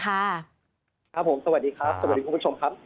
สวัสดีครับสวัสดีคุณผู้ชมครับ